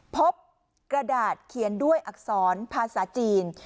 พบกระดาษเขียนด้วยอักษรภาษาจีน